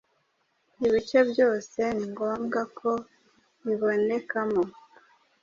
Ibice byose ni ngombwa ko bibonekamo.